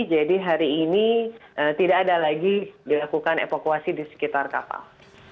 jadi hari ini tidak ada lagi dilakukan evakuasi di sekitar kapal